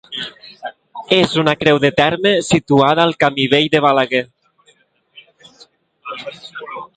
És una creu de terme situada al camí vell de Balaguer.